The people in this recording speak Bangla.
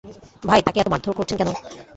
ভাই, তাকে এত মারধর করছেন কেন?